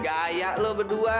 gaya lu berdua